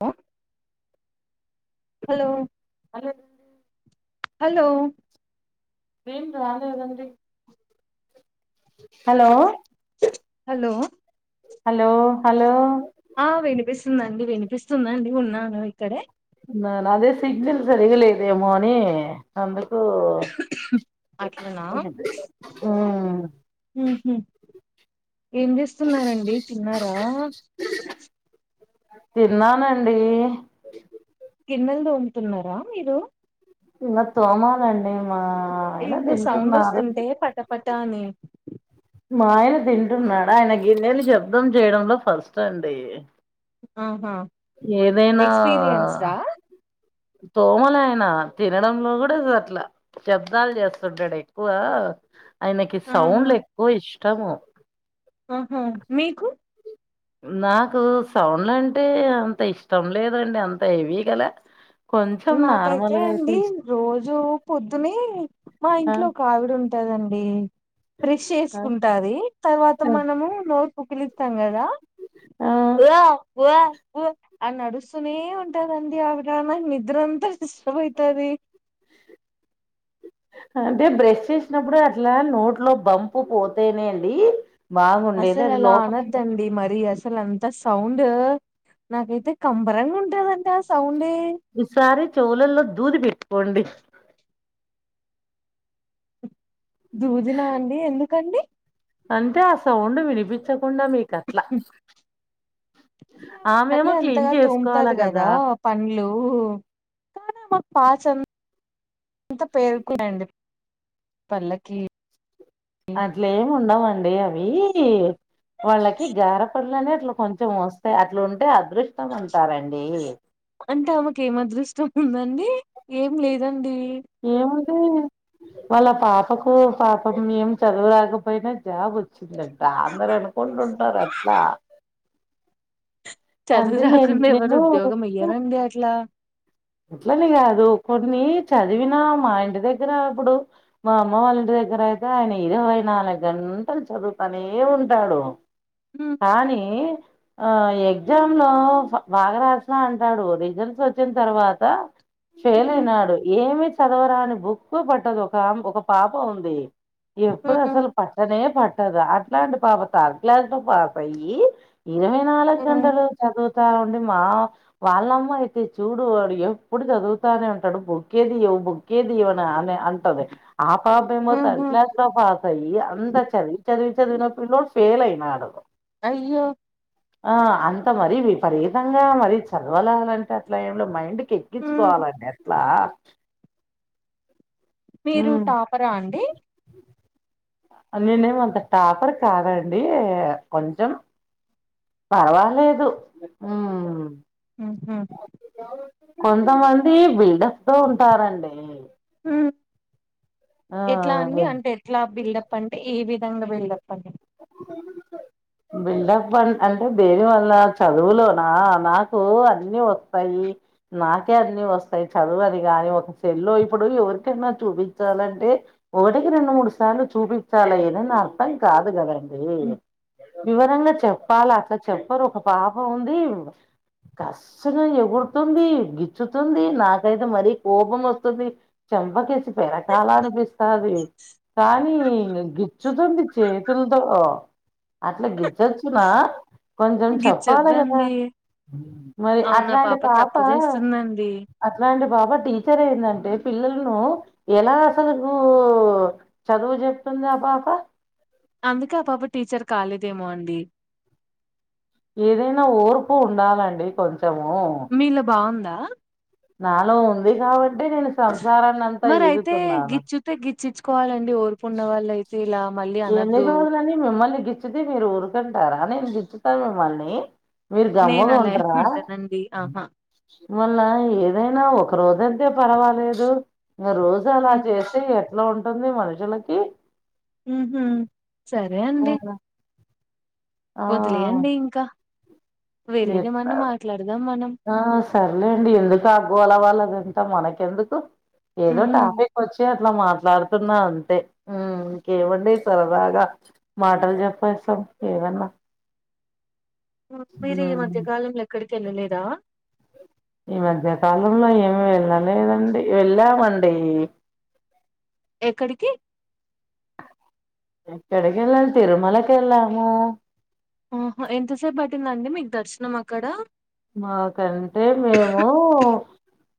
హ హలో అదే హలో వను అద ఏదండడి హలో హలో హలో హలో ఆ వినిపిస్తుందండి వినిపిస్తుందండి ఉన్నాను ఇక్కడే న అదే సిగ్నల్ జరిగలేదేమో అని అందుకు అట్లనా మ్మ్ ఏం చేస్తున్నండి తిన్నారా తిన్నానండి కిన్నెలు దోముతున్నారా మీరు మత్త అమనండి మా ఆయన ఎన్నో సౌండ్ తింటున్నారు వస్తుంటే పట పట అని మా ఆయన తింటున్నాడు ఆయన గిన్నెలు శబ్దం చేయడంలో ఫస్ట్ అండి ఆహా ఏదైనా ఎక్స్పీరియన్స్డా తోమలైన తినడంలో కూడా అట్లా శబ్దాలు చేస్తుంటాడు ఎక్కువ ఆయనకి సౌండ్ ఆహా లు ఎక్కువ ఇష్టము ఆహా మీకు నాకు సౌండ్ల అంటే అంత ఇష్టం లేదండి అంత హెవీ గా లే నాకైతే అండి రోజూ పొద్దునే మా ఆ ఇంట్లో ఒక ఆవిడ ఉంటాదండి అడి ప్ర్రెష్ ఆ చేసుకుంటది తర్వాత ఆ మనము నోర్ పూకిలిస్తాం కదా ఆ! వ్యా వ్యా ఆ అరుస్తూనే ఉంటదండి ఆవిడ నిద్రాంత డిస్టబ్ వైతది అంటే బ్రష్ చేసినప్పుడు అట్లా నోట్లో బంపు పోతేనే అండి బాగుండేది అసలు అది అలా లోపల అనద్దండి మరి అసలు అంత సౌండ్ నాకైతే కంబరంగా ఉంటుదంటే ఆ సౌండే పోండి దూదిన అండి ఎందుకండి అంటే ఆ సౌండ్ వినిపించకుండా మీక అట్లా ఆమెమో మళ్ళీ క్లీన్ అంతగా చేసుకోవాలా తోముతది కదా పండ్లు ఓహ కానీ ఆమె పాచి అంత అంత పేరుకున్నాడి పల్లకి అట్లే ఏమి ఉండవండి అవి వాళ్ళకి గార పండ్లు అనే అట్లా కొంచెం వస్తాయి అట్లా ఉంటే అదృష్టం అంటారండి అంటే ఆమెకు ఏం అదృష్టం ఉందండి ఏం లేదండి ఏమ్ వాళ్ళ పాపకు పాపం మేం చదువు రాకపోయినా జాబ్ అందర అనుకుంటుంటారు అట్లా చదువు అంటే నే రాకుండా ఎవరు నేను ఉద్యోగం ఎయ్యరండి అట్లా అట్లని కాదు చదివినా మా ఇంటి దగ్గర ఇప్పుడు మా అమ్మ వాళ్ళ ఇంటి దగ్గర అయితే ఆయన ఇరవై నాలుగు గంటలు చదువుతనే ఉంటాడు ఉ కానీ ఆ ఎగ్జామ్ లో బాగా రాసా అంటాడు రిజల్ట్స్ వచ్చిన తర్వాత ఫెయిల్ ఉ అయినాడు ఏమి చదవరా అని బుక్ పడ్డదు ఒక ఒక పాప ఉంది ఎప్పుడు ఉ అసలు పట్టనే పట్టదు అట్లాంటి పాప థర్డ్ క్లాస్ లో పాస్ అయ్యి ఇరవై నాలుగు మ్మ్ గంటలు చదువు ఉండి మా వాళ్ళమ్మ అయితే చూడు వాడు ఎప్పుడు చదువుతానే ఉంటాడు బొక్కేది బుక్ ఏది ఇవనా అనే అంటద ఆ పాప ఏమో థర్డ్ ఊహూ క్లాస్ పాస్ అయ్యి అంత చదివి చదివి నా పిల్లోడు ఫెయిల్ అయినాడు అయ్యో ఆ అంత మరి విపరీతంగా మరి చదవలాలంటే అట్లా ఏ మైండ్ ఉమ్, ఎక్కించుకోవాలండి అట్లా మీరు హ్మ్. టాపరా అండి నేనేమో అంత టాపర్ కాదండి కొంచెం పర్వాలేదు ఉమ్ ఉహూ కొంతమంది బిల్డర్స్ తో ఉంటారండి ఎట్లా ఆ! అండి అంటే ఎట్లా బిల్డప్ అంటే ఏవి ధంగా బిల్డప్పడి బిల్డప్ పం అంటే దేని వల్ల చదువులోనా నాకు అన్ని వస్తాయి నాకే అన్ని వస్తాయి చదువ అని కాగానీ ఒక సెల్లో ఇప్పుడు ఎవరికైనా చూపించాలంటే ఒకటికి రెండు మూడు సార్లు చూపించాలయనని అర్థం కాదు గదండీ ఉమ్. వివరంగ చెప్పాలి అట్ల చెప్పరు ఒక పాప ఉంది కస్సున ఎగుడుతుంది గిచ్చుతుంది నాకైతే మరీ కోపం వస్తుంది చెంపకేసి పెరకాల అనిపిస్తాది కానీ గిచ్చుతుంది చేతుల్ తో అట్ల గిచ్చొచ్చునా కొంచెం చెప్పాలే గదా గిచ్చద్దండి మరి అవునా అట్లాంటి పాప తప్పు పాపా చేస్తుందండి అట్లాంటి పాప టీచర్ ఏంటంటే పిల్లల్ను ఎలా అసలుకు చదువు చెప్త అందా పాప అందుకే ఆ పాప టీచర్ కాలేదేమో అండి ఏదైనా ఓర్పు ఉండాలండి కొంచ్ మీలో బాగుందా నాలో ఉంది కాబట్టే నేను సంసారాన్ని అంతా ఈదుతున్నాను చిచ్చుకోవాలండి ఓర్పు ఉన్న వాళ్ళైతే ఇలా మళ్ళీ ఎన్ని అనద్దు రోజులని మిమ్మల్ని గిచ్చితే మీరు ఊరుకుంటారా నేను గిచ్చుతా మిమ్మల్ని మీరు నేను అలా ఏం గమ్ముగుంటరా ఉండనండి ఆహా మళ్ళ ఏదైనా ఒక రోజంతే పర్వాలేదు ఇగ రోజు అలా మ్మ్ చేస్తే ఎట్లా ఉంటుంది మనుషులకి ఉహు సరే అండి ఆ వదిలేయండి ఇంక వేరేది ఎట్లా ఏమన్న మాట్లాడదామా ఆ సర్లేండి ఎందుకు ఆ గోల వాళ్ళదంత మనకెందుకు హ్మ్ ఏదో హ్మ్. టాపిక్ ఒచ్చే ఇలా మాట్లాడుతున్నా అంతే ఊమ్ ఇంకేముండి సరదాగా మాటలు చెప్పేస్తం ఏదన్న మీరు ఈ మధ్యకాలంలో ఎక్కడికెళ్ళలేదా ఈ మధ్యకాలంలో ఏమి వెళ్ళలేదండి వెళ్ళామండీ ఎక్కడికి ఎక్కడికెళ్ళాల్ తిరుమలకి ఎళ్ళాము ఆహో ఎంతసేపు పట్టిందండి మీకు దర్శనం అక్కడ మాకంటే మేమూ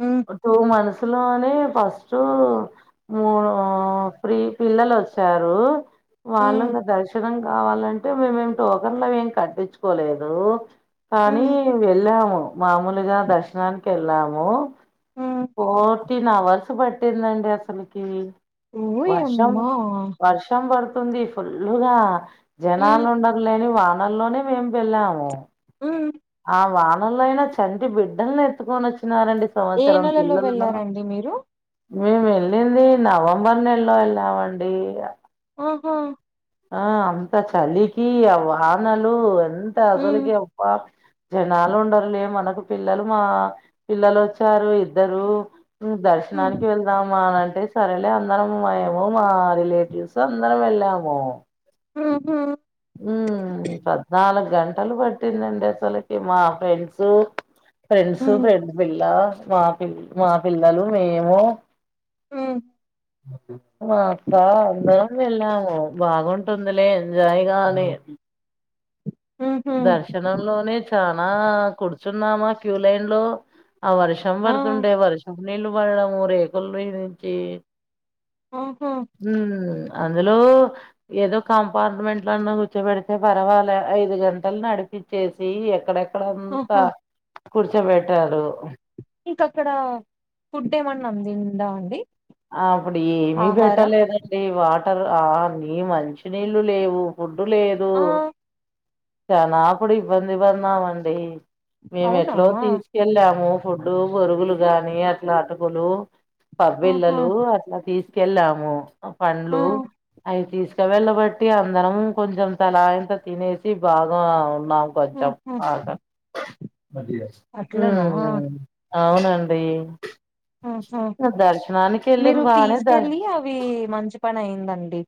హ్మ్ టూ మంత్స్ లోనే ఫస్టూ ఊ త్రి పిల్లలొచ్చారు హ్మ్ వాళ్ళల్ల దర్శనం కావాలంటే మేమేం టోకన్లు అవేం కట్టించుకోలేదు కానీ హ్మ్ ఎళ్ళాము మామూలుగా దర్శనానికి ఎళ్ళాము హ్మ్ ఫోర్టీన్ అవర్స్ పట్టిందండి అసలకి వర్షం ఓయమ్మా వర్షం వర్ తుంది ఫుల్లుగా హ్మ్ జనాలు ఉండర్లే అని వానల్లోనే మేము వెళ్ళాము హ్మ్ మళ్ళ ఈడ చంటి బిడ్డల్ని ఎత్తుకొని ఒచ్చినారండి ఏ సంవత్సరం నెలలో పిల్లలను వెళ్ళారండి మీరు మేం వెళ్ళింది నవంబర్ నెల్లో వెళ్ళామండి అ ఒహో ఆ అంత చలికీ ఆ వానలు ఎన్ ఎంత హ్మ్ అసలుకి అబ్బ జనాలు ఉండరులే మనకు పిల్లలు మా పిల్లలు వచ్చారు ఇద్దరూ హ్మ్ దర్శనానికి వెళ్దామా అని అంటే టే సరేలే అందరము మేమూ మా రిలేటివ్స్ అందరం వెళ్ళాము [unintelligible] ఊ పద్నాలుగు గంటలు పట్టిందండి అసలకి మా ఫ్రెండ్స్ ఫ్రెండ్స్ హ్మ్ ఫ్రెండ్ పిల్లా మా పిల్ మా పిల్లలు మేము ఉ మా అక్కా అందరం వెళ్ళాము బాగుంటుందిలే ఎంజాయ్ గా అని హుహు దర్శనంలోనే చానా కూర్చున్నామా క్యూ లైన్ లో ఆ వర్షం ఆ పడుతుండే, వర్షం నీళ్ళు పడడము, రేకుల మీదుంచి ఆహా హ్మ్మ్ ఆ అందులో ఏదో కంపార్ట్మెంట్ లోన్న కూర్చోబెడితే పర్వాలే ఐదు గంట గంటల నడిపించేసి ఎక్కడెక్కడంతా కూర్చోబెట్టారు. ఇంకక్కడ ఫుడ్ ఏమన్నా అందిందా అండి? అప్పుడు ఏమి ఆహారం పెట్టలేదండి. వా ఆ నీ మంచి నీళ్ళు లేవు, ఫుడ్డు లేదు. ఆ చాలాప్పుడు ఇబ్బంది పడినామండి. అవునా మేమెట్లో తీసుకెళ్ళాము ఫుడ్, బొరుగులు గాని అట్లా అటుక్ కులు ఆహా పబ్బీళ్ళలు అట్లా తీసుకెళ్ళాము. ఆ పండ్లు అవి తీసుక్ చెవెళ్ళ బట్టి అందరం కొంచెం తలా ఇంత తినేసి బాగా నా కొంచం ఆహా ఆగా అట్లనా హ్మ్మ్ అవునండి ఆహా దర్శనాని కెల్లాం మీరు బానే తీసుకెళ్ళి దర్శ్ అవి మంచి పని అయిందండి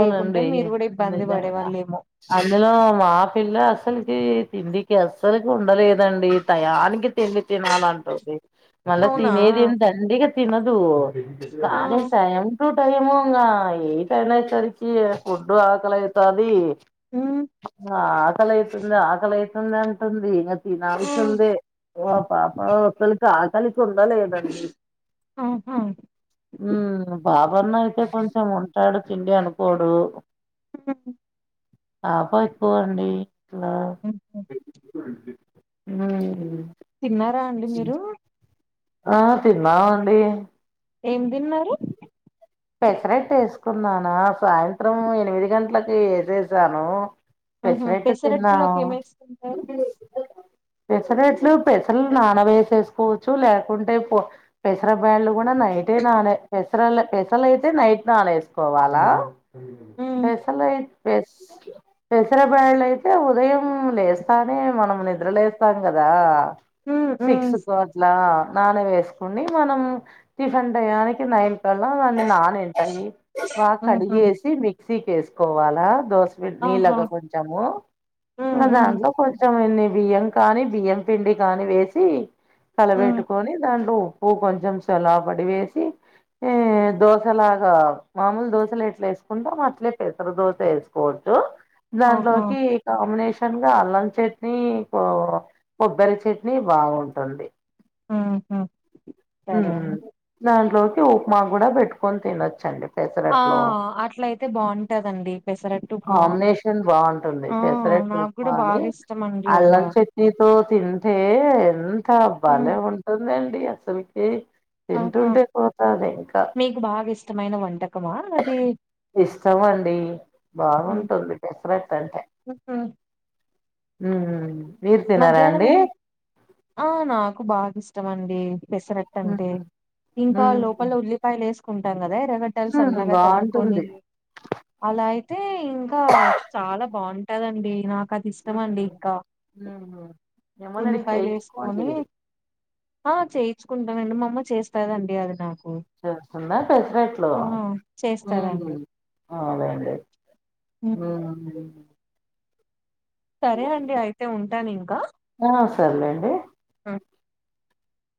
లేకుంటే మీరు కూడా ఇబ్బంది నిజంగా పడేవాళ్ళేమో అందులో మాక్ పిల్ల అసలకి తిండికి అస్సలకి ఉండలేదండి. టయానికి తిండి తినాలంటుంది మళ్ళా అవునా తినేదేం దండిగా తినదు. ఆ కానీ టైమ్ టు టైమ్ ఇంగా ఇ పెన సరికి ఫుడ్డు ఆకలయితాది ఉమ్ ఆ ఆకలైతుంది, ఆకలైతంది అంటుంది. ఇంకా ఆ తినాల్సింది ఓ పాప అసలి కాకలికుండలేదండి ఆహా బాబ్ ఎవరినయితే కొంచెం ఉంటాడు తిండి అనుకోడు. ఆ ఆబ ఎక్కువండి ఇట్లా హుహు. హుమ్మ్ రా అండి మీరు ఆ తిన్నావండి ఏం తిన్నారు పెసరెట్ ఏసుకున్నానా సాయంత్రం ఎనిమిది గంటలకి ఏసేసాను. ఆహా పెసరట్ తిన్నా పెసరట్టులోకి ఏమేసుకుంటారు పెసరట్లు పెసర్లు నాన వేసేసుకోవచ్చు, లేకుంటే పో పెసర బైళ్ళు గూడా నైటే నానే స్ [unintelligible] పెసలయి ఉమ్ పెస్ పెసర బేళ్ళయితే ఉదయం లేస్తానే మనం నిద్రలేస్తాం కదా! ఉమ్ సిక్స్ ఉమ్ కో అట్లా నాన వేసుకుని మనం టిఫిన్ టయనికి నైన్ కళ్ళ దాన్ని నా [unintelligible] బాగా ఆహా కడిగేసి మిక్సి కేసుకోవాలా దోశ ఆహా నీళగా కొంచము ఉమ్ ఇగ ఉమ్ దాంట్లో కొంచెం కొన్ని బియ్యం కానీ బియ్యం పిండి కానీ వేసి, ఉమ్ కలబెట్టుకొని దాంట్లో ఉ ఉప్పూ కొంచెం సెలా పడి వేసి ఏ దోశ లాగా మామూలు దోశలెట్లా వేసుకుంటా అట్లే పెసర దోశ ఏసుకోవచ్చు. ఆహా దాంట్లోకి కాంబినేషన్ షంగా అల్లం చట్నీ, కొ కొబ్బరి చట్నీ బాగుంటుంది. ఆహా సరే ఉమ్ అండి దాంట్లోకి ఉప్మా క్కూడా పెట్టుకొని తినొచ్చండి. ఆ పెసరట్ లో అట్లయితే బాగుంటదండి పెసరట్టు ఉప్మా కాంబినేషన్ బాగుంటుంది. ఆ పెసర నాకు కూడా ఉప్మా అని బాగా ఇష్టం అండి అలా అల్లం చట్నీతో తింటే ఎంత హ్మ్. భలే ఉ ఉంటందండి అసలకి ఆహా మీకు బాగా ఇష్టమైన వంటకమా అది ఇష్టం అండి ఉమ్, బాగుంటుంది పెసరట్టు అంటే ఉమ్. హ మధ్యాహ్నం ఏమి ఆ నాకు బాగా ఇష్టం అండి పెసరట్టు అంటే ఉహు. ఇంకా ఉమ్ లోపల ఉల్లిపాయలు వేసుకుంటాం కదా ఎర్రగడ్ట్టలు ఉమ్ సన్నగా తరుగుకొని బాగుంటుంది అలా అయితే ఇంకా చాలా బాగుంటు టదండి నాకు అది ఉమ్ ఇష్టమండి ఇంకా ఉమ్ ఏమోనడిగి ఉల్లిపాయలు చేయించుకోండి వేసుకొని ఆ చేయించుకుంటానండి మా అమ్మ చేస్తాదండి అది నాకు చేస్తుందా పెసరట్లు ఆ ఉ చేస్తారండి అవున్లెండి ఉమ్. హుఅండి సరే అండి అయితే ఉంటానిం ఆ సర్లేండి ఆ